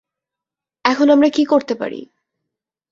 এখন আমরা কী করতে পারি?